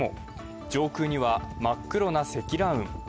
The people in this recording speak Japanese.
上空には真っ黒な積乱雲。